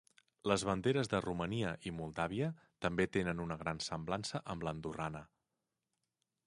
Les banderes de Romania i Moldàvia també tenen una gran semblança amb l'andorrana.